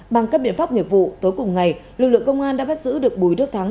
bằng các biện pháp nghiệp vụ tối cùng ngày lực lượng công an đã bắt giữ được bùi đức thắng